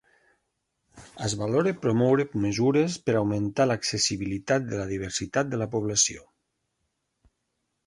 Es valora promoure mesures per augmentar l'accessibilitat de la diversitat de la població.